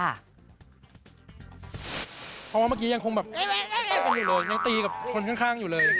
เพราะว่าเมื่อกี้ยังคงแบบยังตีกับคนข้างอยู่เลย